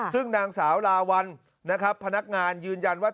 ซึ่งนางสาวลาวัลนะครับพนักงานยืนยันว่า